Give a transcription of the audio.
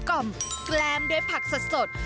แกล้มด้วยผักสัด